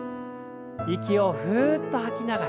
息をふっと吐きながら。